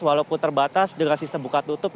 walaupun terbatas dengan sistem buka tutup